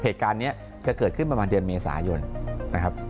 เหตุการณ์นี้จะเกิดขึ้นประมาณเดือนเมษายนนะครับ